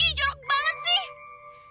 ih jorok banget sih